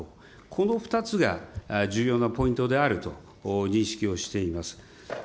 この２つが重要なポイントであると認識をしています。